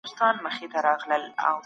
زه د تیر کال دوشنبې ورځ هېره نه کړم.